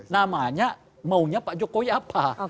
namanya maunya pak jokowi apa